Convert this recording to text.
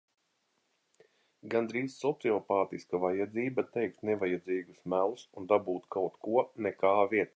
Gandrīz sociopātiska vajadzība teikt nevajadzīgus melus un dabūt kaut ko nekā vietā?